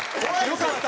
よかった！